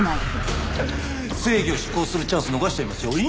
正義を執行するチャンス逃しちゃいますよ。